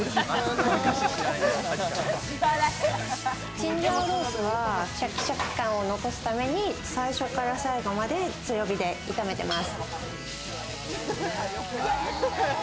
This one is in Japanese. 青椒肉絲はシャキシャキ感を残すために最初から最後まで、強火で炒めてます。